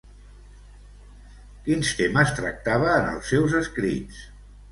Quins temes tractava en els seus escrits?